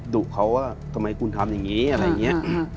ดุเขาว่าทำไมคุณทำอย่างนี้อะไรอย่างนี้